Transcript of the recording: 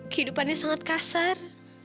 kehidupannya sangat kasar